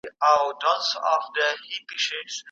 کابل د سیمه ییزو تړونونو څخه د وتلو پرېکړه نه کوي.